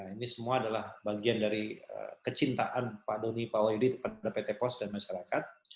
ini semua adalah bagian dari kecintaan pak doni pak wahyudi kepada pt pos dan masyarakat